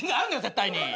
絶対に。